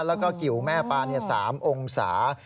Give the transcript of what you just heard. แล้วก็กิวแม่ปลา๓องศา